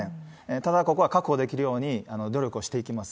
ただ、ここは確保できるように努力をしていきます。